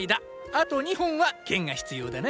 あと２本は剣が必要だな。